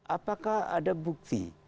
apakah ada bukti